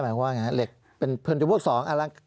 เหมือนจะบวกสอง